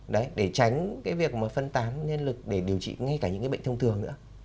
đấy để tránh cái việc mà phân tán nhân lực để điều trị ngay cả những cái bệnh thông thường nữa